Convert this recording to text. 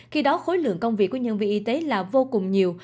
khi đó khối lượng công việc của nhân viên y tế là vô cùng nhiều